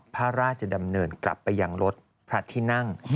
พระราชดำเนินกลับไปยังรถพระที่นั่ง